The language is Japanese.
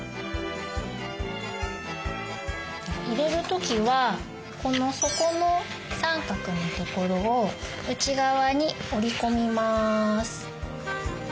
入れる時はこの底の三角のところを内側に折り込みます。